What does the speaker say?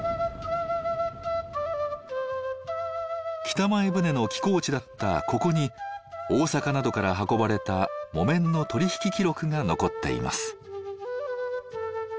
北前船の寄港地だったここに大阪などから運ばれた木綿の取り引き記録が残っています。